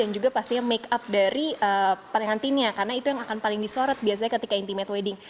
yang juga pastinya make up dari pengantinnya karena itu yang akan paling disorot biasanya ketika intimate wedding